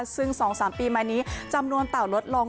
ซึ่งสองสามปีมานี้จำนวนเต่ารถลง